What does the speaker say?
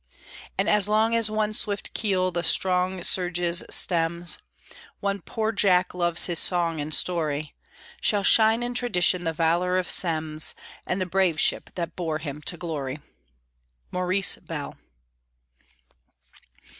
And as long as one swift keel the strong surges stems, Or "poor Jack" loves his song and his story, Shall shine in tradition the valor of Semmes And the brave ship that bore him to glory! MAURICE BELL.